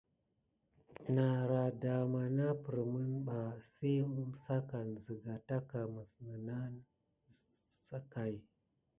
Nara dama nana perine ba si kusakane siga takà mis ne nane sickai.